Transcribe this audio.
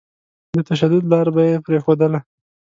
د تشدد لاره به يې پرېښودله.